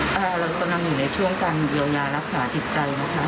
แต่เรากำลังอยู่ในช่วงการเยียวยารักษาจิตใจนะคะ